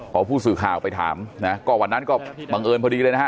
พอผู้สื่อข่าวไปถามนะก็วันนั้นก็บังเอิญพอดีเลยนะฮะ